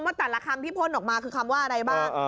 แต่ละคำที่พ่นออกมาคือคำว่าอะไรบ้าง